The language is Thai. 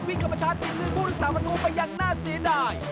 วิ่งกับประชาติกลืนบุรุษาประตูไปอย่างน่าเสียดาย